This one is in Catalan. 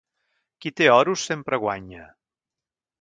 Qui té oros sempre guanya.